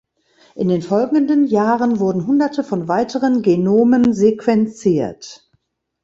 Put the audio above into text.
In den folgenden Jahren wurden Hunderte von weiteren Genomen sequenziert.